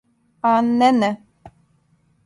А, не не.